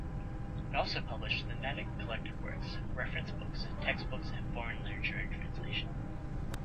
It also published thematic collected works, reference books, textbooks and foreign literature in translation.